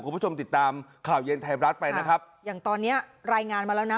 คุณผู้ชมติดตามข่าวเย็นไทยรัฐไปนะครับอย่างตอนเนี้ยรายงานมาแล้วนะ